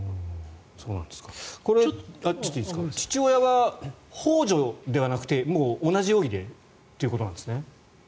父親はほう助ではなくて同じ容疑でということなんですね。